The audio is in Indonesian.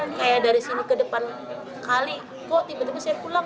beli nasi bentar kayak dari sini ke depan kali kok tiba tiba saya pulang